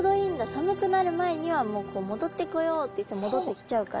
寒くなる前にはもう戻ってこようっていって戻ってきちゃうから。